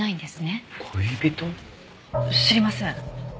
知りません。